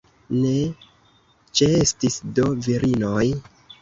Ne ĉeestis do virinoj?